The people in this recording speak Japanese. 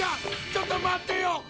ちょっと待ってよ！